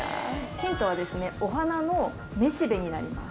ヒントはですねお花の雌しべになります。